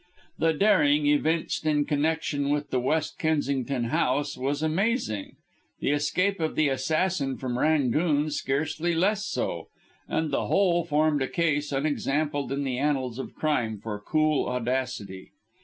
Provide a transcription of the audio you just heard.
The daring evinced in connection with the West Kensington house was amazing; the escape of the assassin from "Rangoon" scarcely less so; and the whole formed a case unexampled in the annals of crime for cool audacity.